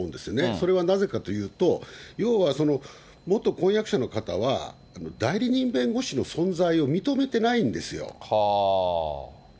それはなぜかというと、要は元婚約者の方は、代理人弁護士の存在を認めてないんですよ。